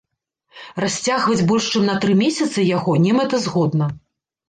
Расцягваць больш чым на тры месяцы яго немэтазгодна.